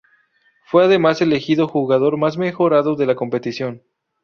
Fue además elegido Jugador más mejorado de la competición.